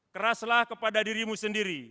keraslah kepada dirimu sendiri